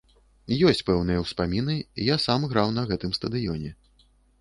Ёсць пэўныя ўспаміны, я сам граў на гэтым стадыёне.